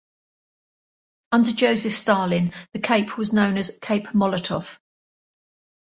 Under Joseph Stalin the cape was known as Cape Molotov.